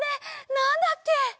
なんだっけ？